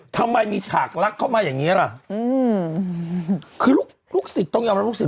ทำไมมีฉากลักเข้ามาอย่างงี้ล่ะอืมคือลูกลูกศิษย์ต้องยอมรับลูกศิษ